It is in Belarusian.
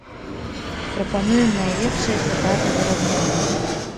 Прапануем найлепшыя цытаты з размовы.